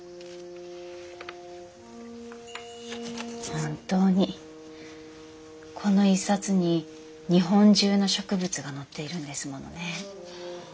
本当にこの一冊に日本中の植物が載っているんですものね。